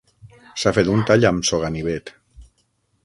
S'ha fet un tall amb so ganivet.